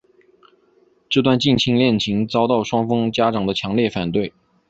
这段近亲恋情遭到双方家长的强烈反对。